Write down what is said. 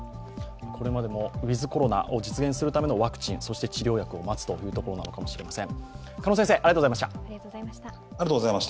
ウィズ・コロナを実現するためのワクチン、そして治療薬を待つというところなのかもしれません。